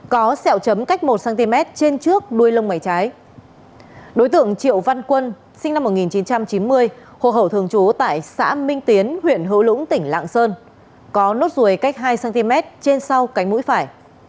có nốt ruồi cách hai cm trên sau cánh mũi phải